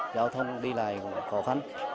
giao thông đi lại khó khăn